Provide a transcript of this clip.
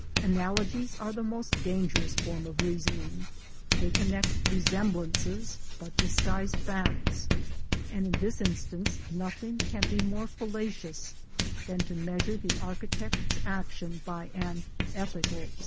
Analogies are the most dangerous form of reasoning: they connect resemblances, but disguise facts; and in this instance nothing can be more fallacious than to measure the architect's action by an ethical standard.